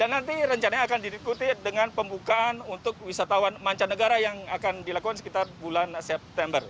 nanti rencananya akan diikuti dengan pembukaan untuk wisatawan mancanegara yang akan dilakukan sekitar bulan september